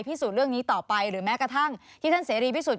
สูจนเรื่องนี้ต่อไปหรือแม้กระทั่งที่ท่านเสรีพิสุทธิ